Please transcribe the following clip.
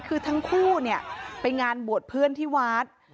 คือทั้งคู่เนี่ยไปงานบวชเพื่อนที่วัด